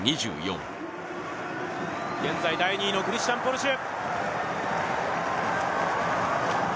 現在第２位のクリスチャン・ポルシュ。